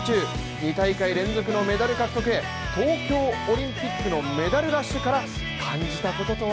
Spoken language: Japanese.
２大会連続のメダル獲得へ東京オリンピックのメダルラッシュから感じたこととは